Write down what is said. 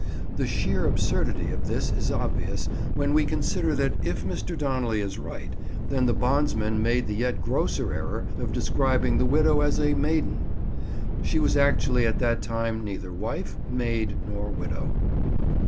The sheer absurdity of this is obvious when we consider that if Mr. Donnelly is right, then the bondsmen made the yet grosser error of describing the widow as a "maiden." She was actually at that time neither wife, maid nor widow.